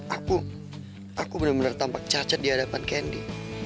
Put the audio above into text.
aku aku benar benar tampak cacat di hadapan kendi